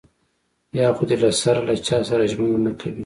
يا خو دې له سره له چاسره ژمنه نه کوي.